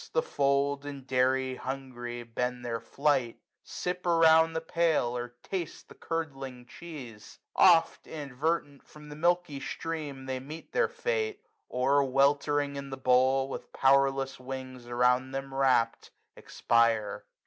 The fold, and dairy, hungry, bend their flight ; Sip round the pail, or taste the curdling cheese : Oft, inadvertent, from the milky stream They meet their fate ; or, weltering in the bowl, 265 "With powerless wings around them wrapt, expire.